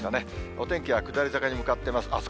お天気は下り坂に向かっています。